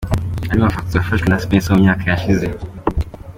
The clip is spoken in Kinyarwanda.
Andi mafoto yafashwe na Spencer mu myaka yashize.